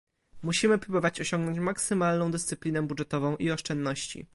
Musimy próbować osiągnąć maksymalną dyscyplinę budżetową i oszczędności